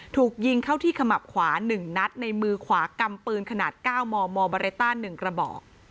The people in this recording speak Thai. ถูกยิงเข้าที่ขมับขวา๑นัดในมือขวากำปืนขนาด๙มมบาเรต้า๑กระบอก